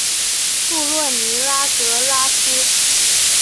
布洛尼拉格拉斯。